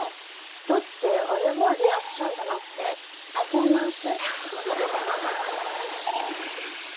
だって、あれはリアクションじゃなくて、パフォーマンス。